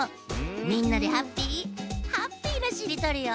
みんなでハッピーハッピーなしりとりよ。